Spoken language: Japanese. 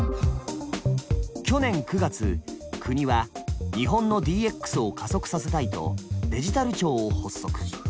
去年９月国は日本のＤＸを加速させたいと「デジタル庁」を発足。